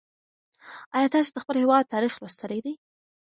ایا تاسې د خپل هېواد تاریخ لوستلی دی؟